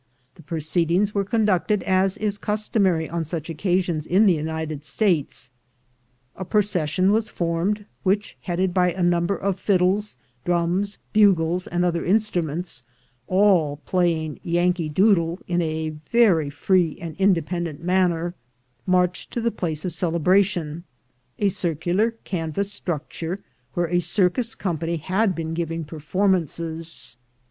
The proceedings were conducted as is customary on such occasions in the United States. A procession was form^ed, which, headed by a number of fiddles, drums, bugles, and other instruments, all playing "Yankee Doodle" in a very free and inde pendent manner, marched to the place of celebration, a circular canvas structure, where a circus company had been giving performances.